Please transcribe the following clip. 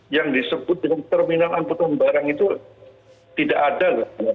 yang disebut dengan terminal angkutan barang itu tidak ada